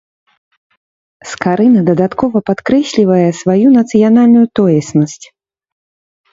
Скарына дадаткова падкрэслівае сваю нацыянальную тоеснасць.